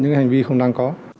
những hành vi không đáng có